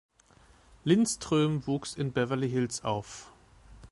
Lindström wuchs in Beverly Hills auf.